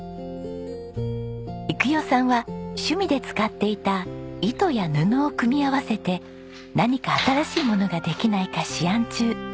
育代さんは趣味で使っていた糸や布を組み合わせて何か新しい物ができないか思案中。